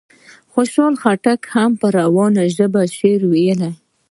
خوشحال خان هم په روانه ژبه شعر ویلی.